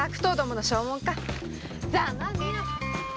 ざまあみろ！